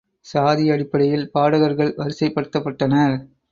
சாதி அடிப்படையில் பாடகர்கள் வரிசைப் படுத்தப்பட்டனர்.